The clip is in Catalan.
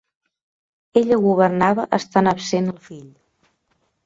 Ella governava estant absent el fill.